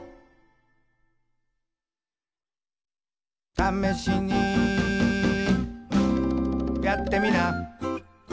「ためしにやってみな」